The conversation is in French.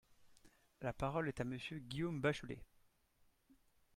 La parole est à Monsieur Guillaume Bachelay.